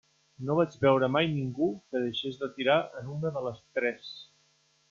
No vaig veure mai ningú que deixés de tirar en una de les tres.